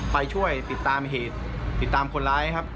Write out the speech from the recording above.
ไปช่วยติดตามเหตุติดตามคนร้ายครับ